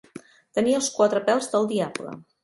Tenir els quatre pèls del diable.